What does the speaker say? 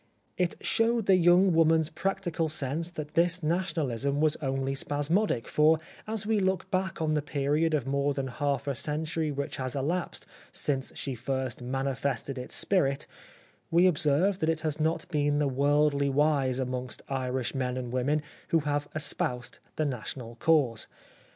It showed the young woman's practical sense that this National 64 The Life of Oscar Wilde ism was only spasmodic; for as we look back on the period of more than half a century which has elapsed since she first manifested its spirit, we observe that it has not been the worldly wise amongst Irish men and women who have espoused the National cause.